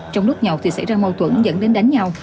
trong lúc nhậu thì xảy ra mâu thuẫn dẫn đến đánh nhau